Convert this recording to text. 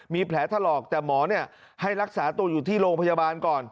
มีแผลถลอกแต่หมอให้รักษาตัวอยู่ที่โรงพยาบาลก่อน